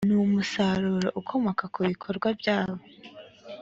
n umusaruro ukomoka ku bikorwa byawo